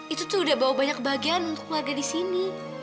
itu tuh udah bawa banyak kebahagiaan untuk warga di sini